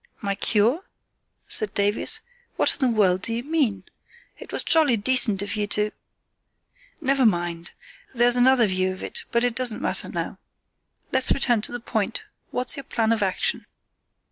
"My cure?" said Davies; "what in the world do you mean? It was jolly decent of you to——" "Never mind! There's another view of it, but it doesn't matter now. Let's return to the point. What's your plan of action?"